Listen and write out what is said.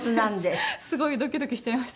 すごいドキドキしちゃいました。